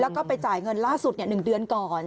แล้วก็ไปจ่ายเงินล่าสุด๑เดือนก่อน